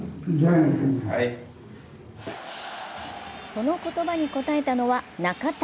その言葉に応えたのは中田。